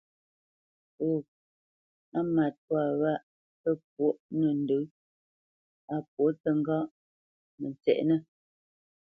Hô, á matwâ wâ pə́ pwôʼ nə̂ ndə̌, a pwô təŋgáʼ, mə tsɛʼnə̂!